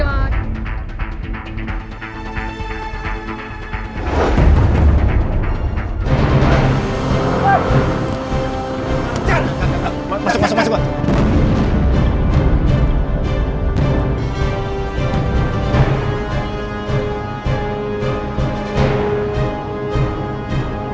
masuk masuk masuk